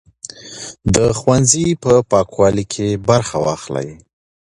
د ښوونځي په پاکوالي کې برخه واخلئ.